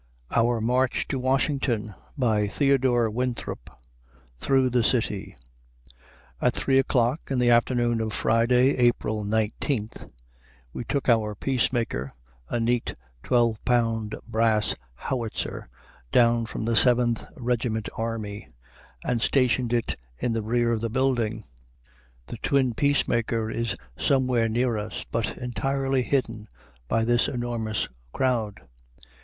] OUR MARCH TO WASHINGTON THEODORE WINTHROP THROUGH THE CITY AT three o'clock in the afternoon of Friday, April 19, we took our peacemaker, a neat twelve pound brass howitzer, down from the Seventh Regiment Armory, and stationed it in the rear of the building. The twin peacemaker is somewhere near us, but entirely hidden by this enormous crowd.